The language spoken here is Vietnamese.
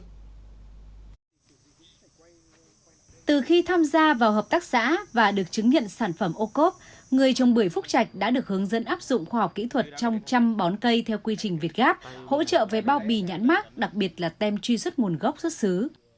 từ khi tham gia vào hợp tác xã và được chứng nhận sản phẩm ô cốp người trồng bưởi phúc trạch đã được hướng dẫn áp dụng khoa học kỹ thuật trong trăm bón cây theo quy trình việt gáp hỗ trợ về bao bì nhãn mát đặc biệt là tem truy xuất nguồn gốc xuất xứ